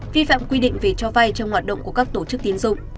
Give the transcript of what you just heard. vi phạm quy định về cho vay trong hoạt động của các tổ chức tiến dụng